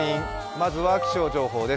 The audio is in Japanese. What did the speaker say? まずは気象情報です。